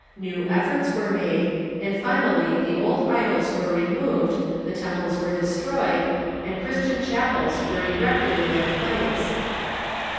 New efforts were made, and finally the old idols were removed, the temples were destroyed, and Christian chapels were erected in their place.